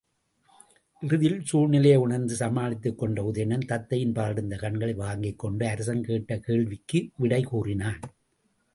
இறுதியில் சூழ்நிலையை உணர்ந்து சமாளித்துக் கொண்ட உதயணன், தத்தையின்பாலிருந்து கண்களை வாங்கிக்கொண்டு அரசன் கேட்ட கேள்விக்கு விடை கூறினான்.